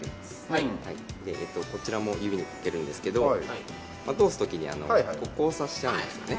はいこちらも指にかけるんですけど通す時に交差しちゃうんですよね